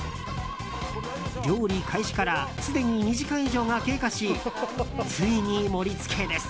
料理開始からすでに２時間以上が経過しついに、盛り付けです。